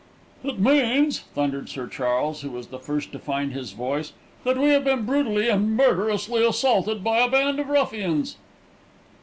"It means," thundered Sir Charles, who was the first to find his voice, "that we have been brutally and murderously assaulted by a band of ruffians."